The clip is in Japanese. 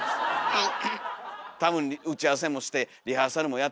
はい。